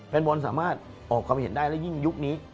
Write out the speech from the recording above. แฟนบอลสามารถออกความเห็นได้และยิ่งยุคนี้